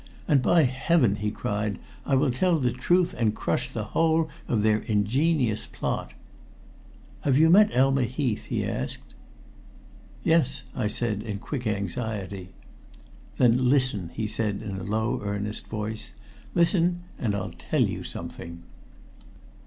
"And, by heaven!" he cried, "I will tell the truth and crush the whole of their ingenious plot. Have you met Elma Heath?" he asked. "Yes," I said in quick anxiety. "Then listen," he said in a low, earnest voice. "Listen, and I'll tell you something.